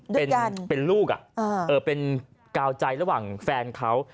ด้วยกันเป็นลูกอ่ะอ่าเออเป็นกล่าวใจระหว่างแฟนเขา